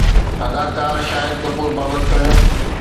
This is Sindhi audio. اداڪار شاهد ڪپور بابت پڻ